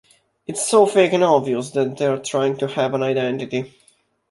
It's so fake and obvious that they're trying to have an identity.